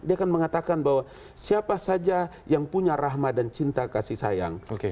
dia kan mengatakan bahwa siapa saja yang punya rahma dan cinta kasih sayang